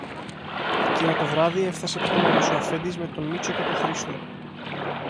Εκείνο το βράδυ έφθασε πιο νωρίς ο αφέντης με τον Μήτσο και τον Χρήστο.